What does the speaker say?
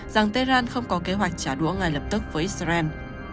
rằng tehran không có kế hoạch trả đũa ngay lập tức với israel